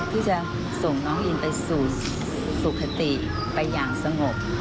ที่จะส่งน้องอินไปสู่สุขติไปอย่างสงบ